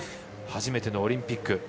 初めてのオリンピック。